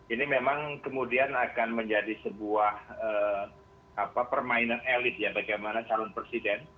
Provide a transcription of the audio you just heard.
ini memang kemudian akan menjadi sebuah permainan elit ya bagaimana calon presiden